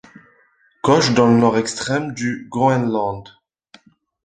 Koch dans le nord extrême du Groenland.